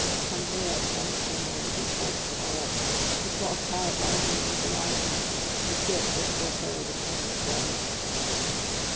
Andrea turned pale, and drew towards the door; he saw a cloud rising in the horizon, which appeared to forebode a coming storm.